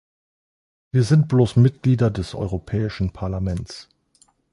Wir sind bloß Mitglieder des Europäischen Parlaments.